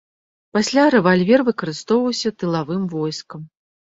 Пасля, рэвальвер выкарыстоўваўся тылавым войскам.